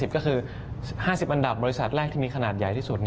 ก็คือ๕๐อันดับบริษัทแรกที่มีขนาดใหญ่ที่สุด